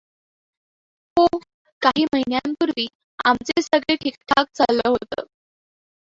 हो, काही महिन्यांपूर्वी आमचे सगळे ठीकठाक चाललं होतं.